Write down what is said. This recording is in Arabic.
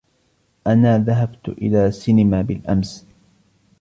أنا ذهبت إلى سينما بالأمس